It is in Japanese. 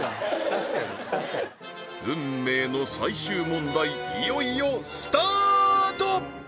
確かに確かに運命の最終問題いよいよスタート